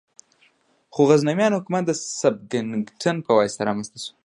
خو غزنویان حکومت د سبکتګین په واسطه رامنځته شو.